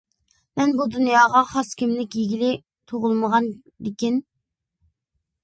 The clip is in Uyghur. مەن بۇ دۇنياغا خاس كىملىك يېگىلى تۇغۇلمىغاندىكىن!